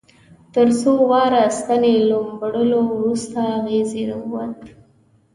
تر څو واره ستنې ټومبلو وروسته اغزی را ووت.